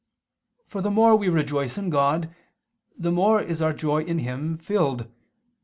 For the more we rejoice in God, the more is our joy in Him filled.